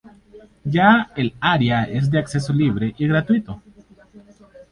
Ya el área es de acceso libre y gratuito.